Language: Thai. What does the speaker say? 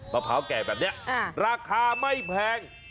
พร้าวแก่แบบนี้ราคาไม่แพง